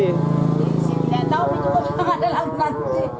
sini yang tahu itu kan ada lagi nanti